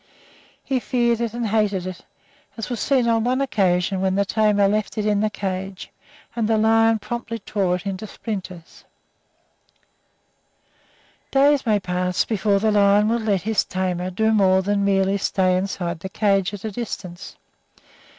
He feared it and hated it, as was seen on one occasion when the tamer left it in the cage and the lion promptly tore it into splinters. [Illustration: THE LION DESTROYS THE CHAIR.] Days may pass before the lion will let his tamer do more than merely stay inside the cage at a distance.